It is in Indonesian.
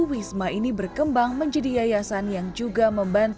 wisma ini berkembang menjadi yayasan yang juga membantu